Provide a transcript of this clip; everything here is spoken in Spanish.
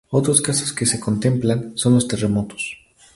Otros casos que se contemplan, son los terremotos.